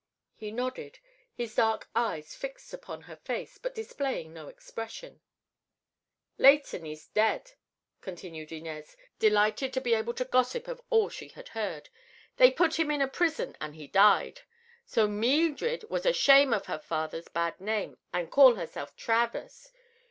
He nodded, his dark eyes fixed upon her face but displaying no expression. "Leighton is dead," continued Inez, delighted to be able to gossip of all she had heard. "They put him in a prison an' he died. So Meeldred was ashame of her father's bad name an' call herself Travers.